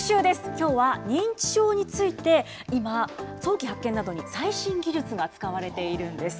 きょうは認知症について、今、早期発見などに最新技術が使われているんです。